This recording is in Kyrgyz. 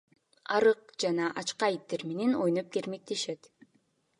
Арык жана ачка иттер менен ойноп эрмектешет.